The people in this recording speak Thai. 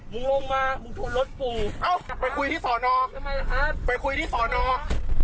มึงลงมามึงชุดรถกรุง